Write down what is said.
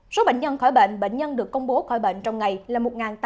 số bệnh nhân khỏi bệnh bệnh nhân được công bố khỏi bệnh trong ngày là một tám trăm chín mươi bốn